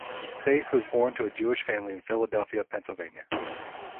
Feith was born to a Jewish family in Philadelphia, Pennsylvania.